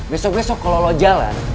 besok besok kalau lo jalan